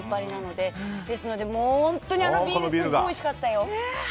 ですので、本当にあのビールすごいおいしかったよ。